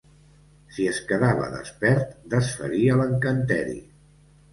Si es quedava despert, desfaria l'encanteri.